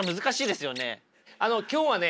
今日はね